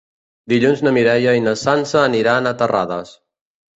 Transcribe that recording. Dilluns na Mireia i na Sança aniran a Terrades.